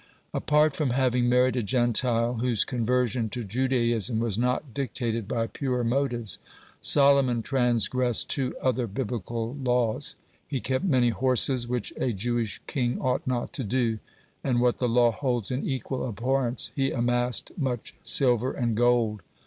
(15) Apart from having married a Gentile, whose conversion to Judaism was not dictated by pure motives, Solomon transgressed two other Biblical laws. He kept many horses, which a Jewish king ought not to do, and, what the law holds in equal abhorrence, he amassed much silver and gold.